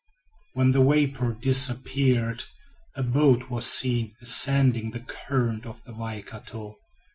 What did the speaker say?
When the vapor disappeared, a boat was seen ascending the current of the Waikato.